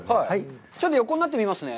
ちょっと横になってみますね。